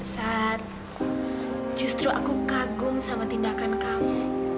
saat justru aku kagum sama tindakan kamu